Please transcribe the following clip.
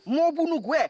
mau bunuh gue